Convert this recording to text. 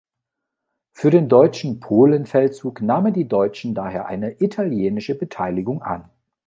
Für den deutschen Polenfeldzug nahmen die Deutschen daher eine italienische Beteiligung an.